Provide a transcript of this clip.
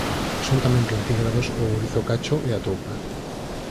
Son tamén plantígrados o ourizo cacho e a toupa.